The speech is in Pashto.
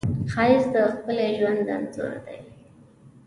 ښایست د ښکلي ژوند انځور دی